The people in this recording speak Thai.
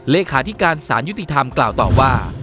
เลขาธิการสารยุติธรรมกล่าวต่อว่า